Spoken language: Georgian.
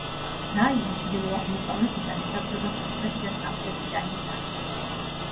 რაიონს ჩრდილო-აღმოსავლეთიდან ესაზღვრება სომხეთი და სამხრეთიდან ირანი.